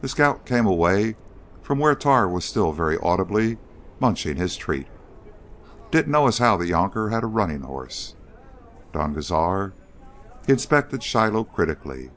The scout came away from where Tar was still very audibly munching his treat. "Didn't know as how th' younker had him a runnin' hoss, Don Cazar." He inspected Shiloh critically.